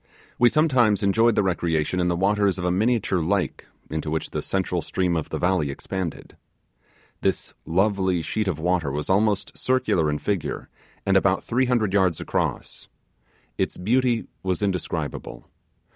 We sometimes enjoyed the recreation in the waters of a miniature lake, to which the central stream of the valley expanded. This lovely sheet of water was almost circular in figure, and about three hundred yards across. Its beauty was indescribable.